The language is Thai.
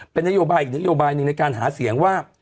เป็นนโยบายอีกนโยบายหนึ่งในการหาเสียงว่า